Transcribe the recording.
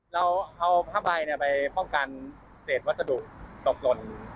เราเอาผ้าใบไปป้องกันเศษวัสดุตกหล่น